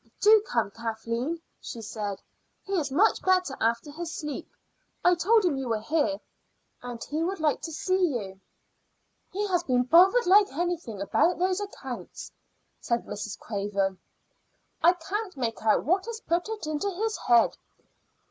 "Do come, Kathleen," she said. "He is much better after his sleep. I told him you were here, and he would like to see you." "He has been bothered like anything about those accounts," said Mrs. Craven. "I can't make out what has put it into his head.